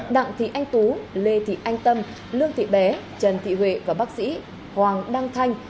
đặng thị anh tú lê thị anh tâm lương thị bé trần thị huệ và bác sĩ hoàng đăng thanh